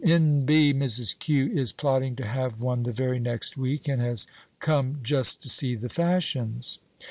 (N. B. Mrs. Q. is plotting to have one the very next week, and has come just to see the fashions.)